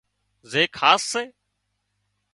زي خاص سي